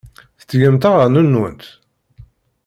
Tettgemt aɣanen-nwent?